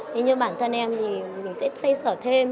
thế nhưng bản thân em thì mình sẽ xây sở thêm